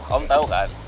om tau kan